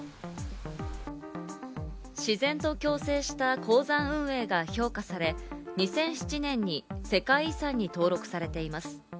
自然と共生した鉱山運営が評価され、２００７年に世界遺産に登録されています。